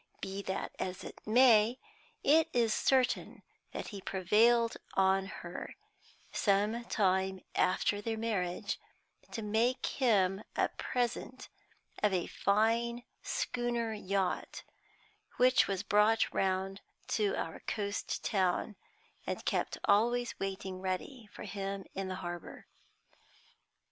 Be that as it may, it is certain that he prevailed on her, some time after their marriage, to make him a present of a fine schooner yacht, which was brought round from Cowes to our coast town, and kept always waiting ready for him in the harbor.